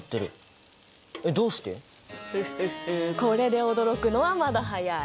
フッフッフこれで驚くのはまだ早い。